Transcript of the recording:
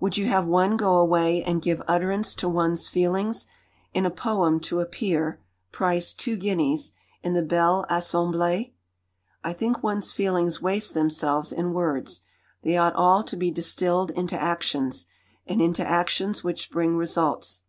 Would you have one go away and 'give utterance to one's feelings' in a poem to appear (price 2 guineas) in the Belle Assemblée? I think one's feelings waste themselves in words; they ought all to be distilled into actions, and into actions which bring results.